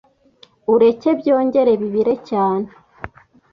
ureke byongere bibire cyane